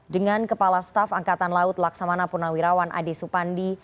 dengan kepala staf angkatan laut laksamana purnawirawan ade supandi